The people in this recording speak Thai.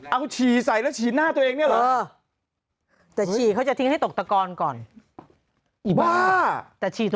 เอาฉีดฉีดหน้านี่นะ